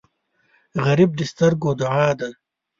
غریب د سترګو دعا ده